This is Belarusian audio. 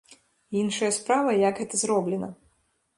Іншая справа, як гэта зроблена.